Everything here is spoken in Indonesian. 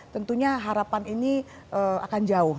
tentunya harapan ini akan jauh